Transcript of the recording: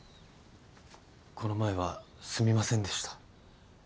この前はすみませんでした。